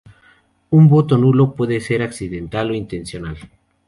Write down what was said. Un voto nulo puede ser accidental o intencional.